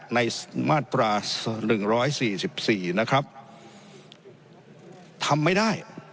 ในมาตรหัวหนึ่งร้อยสี่สิบสี่นะครับทำไม่ได้